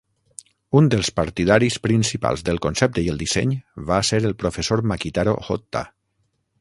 Un dels partidaris principals del concepte i el disseny va ser el Professor Makitaro Hotta.